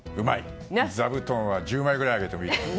座布団は１０枚ぐらいあげてもいい。